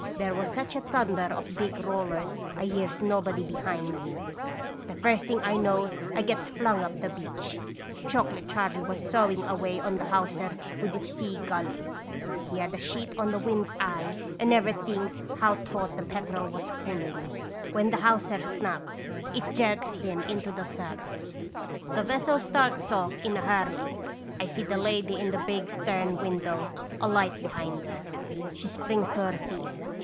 There was such a thunder of big rollers I hears nobody behind me. The first I knows I gets flung up the beach. Chocolate Charley was sawing away on the hawser with his sea gully. He had a sheet in the wind's eye, and never thinks how taut the Petrel was pulling. When the haw 184 31 radons Visitation. ser snaps, it jerks him into the surf. The vessel starts off in a hurry. I see the lady in the big stern window, a light behind her. She springs to her feet.